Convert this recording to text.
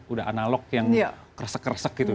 udah analog yang kresek kresek gitu